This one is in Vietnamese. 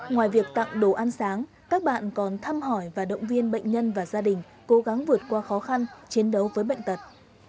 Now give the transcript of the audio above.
ngoài việc tặng đồ ăn sáng các bạn còn thăm hỏi và động viên bệnh nhân và gia đình cố gắng vượt qua khó khăn chiến đấu với bệnh tật